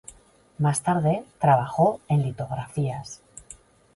Más tarde, trabajó en litografías.